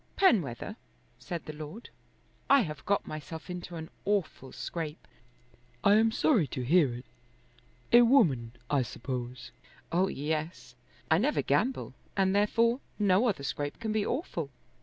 "Penwether," said the Lord, "I have got myself into an awful scrape." "I am sorry to hear it. A woman, I suppose." "Oh, yes. I never gamble, and therefore no other scrape can be awful.